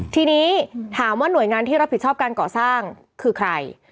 ทีนี้ถามว่าหน่วยงานที่รับผิดชอบการก่อสร้างคือใคร